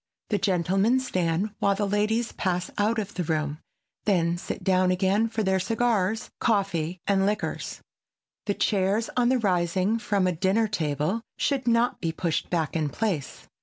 The gentlemen stand while the ladies pass out of the room, then sit down again for their cigars, coffee and liquors. The chairs, on rising from a dinner table, should not be pushed back in place.